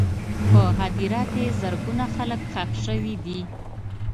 په هدیره کې زرګونه خلک ښخ شوي دي.